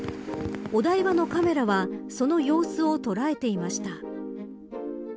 お台場のカメラはその様子を捉えていました。